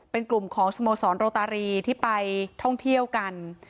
เป็นกลุ่มของสโมสรโรตารีที่ไปท่องเที่ยวกัน